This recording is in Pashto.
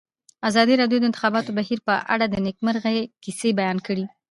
ازادي راډیو د د انتخاباتو بهیر په اړه د نېکمرغۍ کیسې بیان کړې.